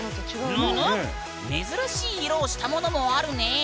珍しい色をしたものもあるねえ。